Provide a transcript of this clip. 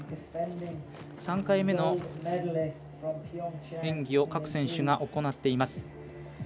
３回目の演技を各選手が行っています。